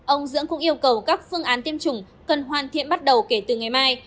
ông dưỡng cũng yêu cầu các phương án tiêm chủng cần hoàn thiện bắt đầu kể từ ngày mai